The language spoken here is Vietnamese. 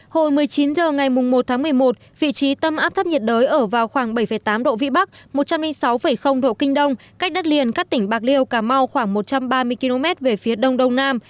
hồi một mươi chín h ngày một tháng một mươi một vị trí tâm áp thấp nhiệt đới ở vào khoảng bảy tám độ vĩ bắc một trăm linh sáu độ kinh đông cách đất liền các tỉnh bạc liêu cà mau khoảng một trăm ba mươi km về phía đông đông nam